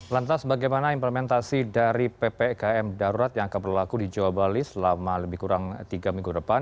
lantas bagaimana implementasi dari ppkm darurat yang akan berlaku di jawa bali selama lebih kurang tiga minggu depan